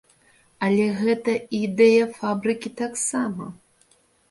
Але гэта і ідэя фабрыкі таксама.